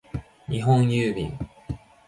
日本郵便